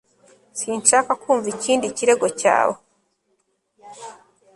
sinshaka kumva ikindi kirego cyawe